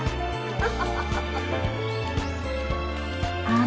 ああ。